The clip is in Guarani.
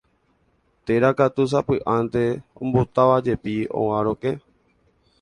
Térã katu sapy'ánte ombotávajepi óga rokẽ.